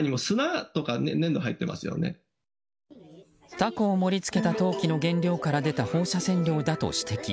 タコを盛り付けた陶器の原料から出た放射線量だと指摘。